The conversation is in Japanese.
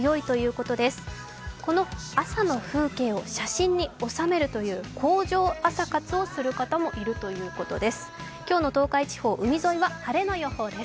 この朝の風景を写真に収めるという工場朝活をする方もいるということです。